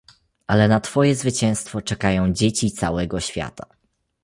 "Ale na twoje zwycięstwo czekają dzieci całego świata."